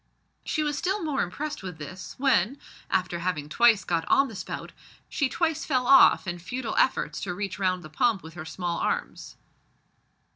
She was still more impressed with this when, after having twice got on the spout, she twice fell off in futile efforts to reach round the pump with her small arms.